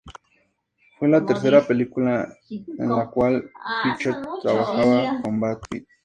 Fue la tercera película en la cual Fincher trabaja con Brad Pitt.